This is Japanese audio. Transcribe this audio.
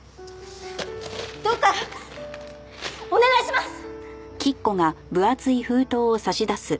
どうかお願いします！